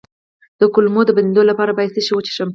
د کولمو د بندیدو لپاره باید څه شی وڅښم؟